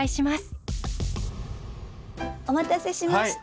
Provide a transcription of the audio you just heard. お待たせしました。